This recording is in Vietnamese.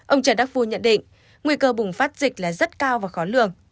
ông trần đắc phu nhận định nguy cơ bùng phát dịch là rất cao và khó lường